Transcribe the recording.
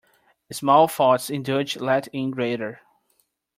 Small faults indulged let in greater.